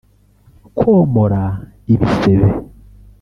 komora ibisebe